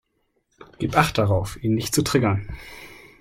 Gib Acht darauf, ihn nicht zu triggern.